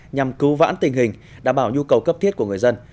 nhằm cứu vãn tình hình đảm bảo nhu cầu cấp thiết của người dân